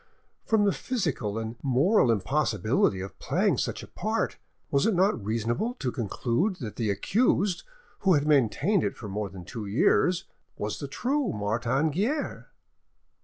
From the physical and moral impossibility of playing such a part, was it not reasonable to conclude that the accused, who had maintained it for more than two years, was the true Martin Guerre?